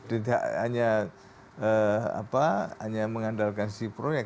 dan tidak hanya mengandalkan si proyek